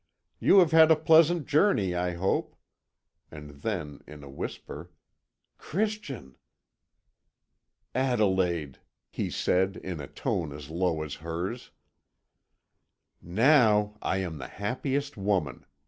"You have had a pleasant journey, I hope." And then, in a whisper, "Christian!" "Adelaide!" he said, in a tone as low as hers. "Now I am the happiest woman!"